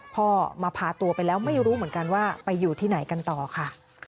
พ่อมาพาตัวไปแล้วไม่รู้เหมือนกันว่าไปอยู่ที่ไหนกันต่อค่ะ